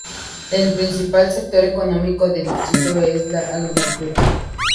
El principal sector económico del distrito es la agricultura.